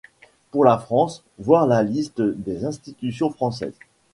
Pour la France, voir la liste des institutions françaises.